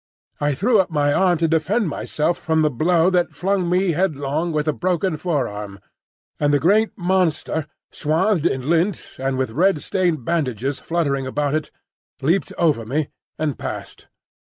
I threw up my arm to defend myself from the blow that flung me headlong with a broken forearm; and the great monster, swathed in lint and with red stained bandages fluttering about it, leapt over me and passed.